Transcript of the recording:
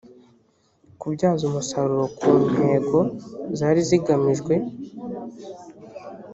kubyaza umusaruro ku ntego zari zigamijwe